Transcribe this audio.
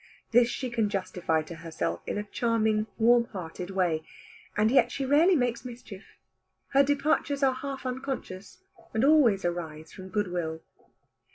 This she can justify to herself in a charming warm hearted way. And yet she rarely makes mischief. Her departures are half unconscious, and always arise from good will.